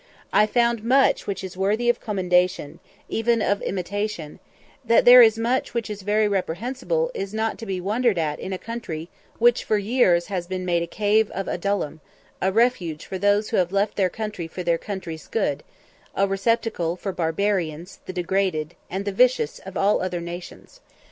I found much which is worthy of commendation, even of imitation: that there is much which is very reprehensible, is not to be wondered at in a country which for years has been made a "cave of Adullam" a refuge for those who have "left their country for their country's good" a receptacle for the barbarous, the degraded, and the vicious of all other nations.